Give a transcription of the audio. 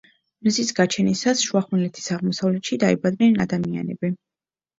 მზის გაჩენისას, შუახმელეთის აღმოსავლეთში დაიბადნენ ადამიანები.